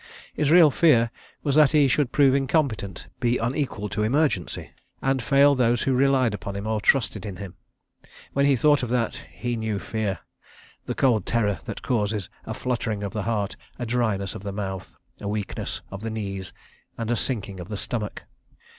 His real fear was that he should prove incompetent, be unequal to emergency, and fail those who relied upon him or trusted in him. When he thought of that, he knew Fear, the cold terror that causes a fluttering of the heart, a dryness of the mouth, a weakness of the knees, and a sinking of the stomach.